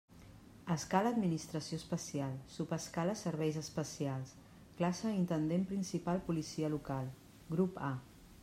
Escala administració especial, subescala serveis especials, classe intendent principal policia local, grup A.